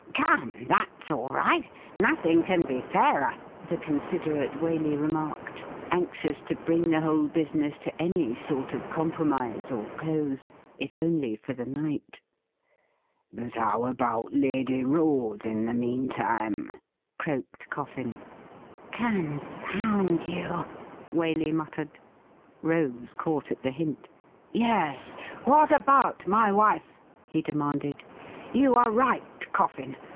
Come, that's all right ; nothing can be fairer,' the con siderate Waley remarked, anxious to bring the whole busi ness to any soi t of compromise, or close, if only for the night. ' But how about Lady Rose in the meantime .''' croaked Coffin. ' Confound you !' Waley muttered. Rose caught at the hint. ' Yes, what about my wife ?' he demanded. ' You are right. Coffin.